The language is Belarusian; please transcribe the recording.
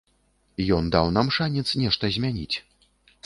Ён даў нам шанец нешта змяніць.